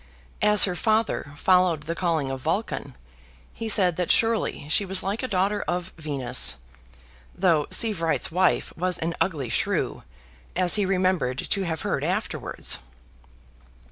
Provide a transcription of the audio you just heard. As her father followed the calling of Vulcan, he said that surely she was like a daughter of Venus, though Sievewright's wife was an ugly shrew, as he remembered to have heard afterwards.